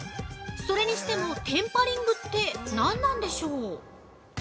それにしてもテンパリングってなんなんでしょう？